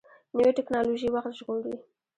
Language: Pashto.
نوې ټکنالوژي وخت ژغوري